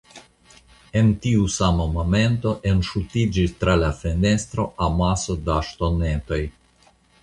En tiu sama momento, enŝutiĝis tra la fenestro amaso da ŝtonetoj.